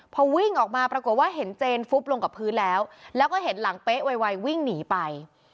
พอวิ่งออกมาปรากฏว่าเห็นเจนฟุบลงกับพื้นแล้วแล้วก็เห็นหลังเป๊ะไววิ่งหนีไป